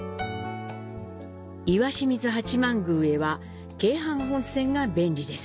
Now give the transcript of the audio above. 石清水八幡宮へは京阪本線が便利です。